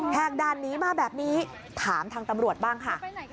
กด่านนี้มาแบบนี้ถามทางตำรวจบ้างค่ะ